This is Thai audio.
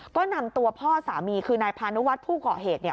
ก็นำตัวพ่อสามีคือนายพานุวัฒน์ผู้ก่อเหตุ